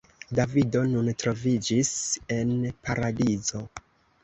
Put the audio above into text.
Davido nun troviĝis en Paradizo.